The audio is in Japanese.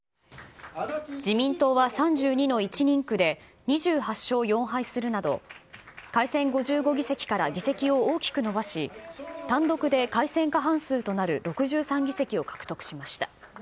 自民党は３２の１人区で２８勝４敗するなど、改選５５議席から議席を大きく伸ばし、単独で改選過半数となる６３議席を獲得しました。